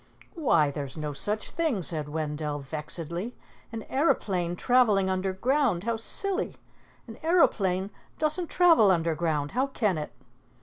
"Why, there's no such thing," said Wendell vexedly. "An aeroplane traveling underground! How silly! An aeroplane doesn't travel underground. How can it?"